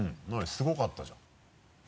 すごかったじゃん。